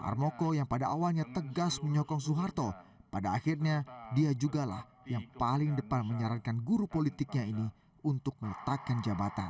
armoko yang pada awalnya tegas menyokong soeharto pada akhirnya dia juga lah yang paling depan menyarankan guru politiknya ini untuk meletakkan jabatan